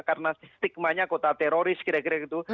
karena stigmanya kota teroris kira kira gitu